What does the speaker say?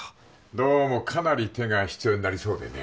どうもかなり手が必要になりそうでね